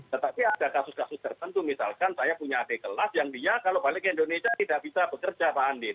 tetapi ada kasus kasus tertentu misalkan saya punya adik kelas yang dia kalau balik ke indonesia tidak bisa bekerja pak andin